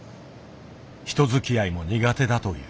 人づきあいも苦手だという。